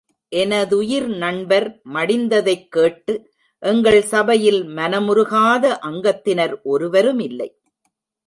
எனதுயிர் நண்பர் மடிந்ததைக் கேட்டு எங்கள் சபையில் மனமுருகாத அங்கத்தினர் ஒருவருமில்லை.